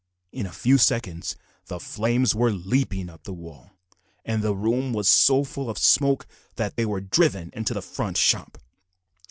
In a few seconds the flames were leaping up the walls, and the room was so full of smoke that they were driven into the front shop.